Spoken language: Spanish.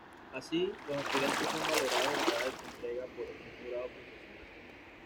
Así, los aspirantes son valorados en cada entrega por un jurado profesional.